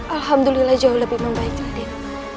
alhamdulillah jauh lebih membaik raden